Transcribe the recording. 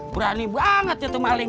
berani banget itu maling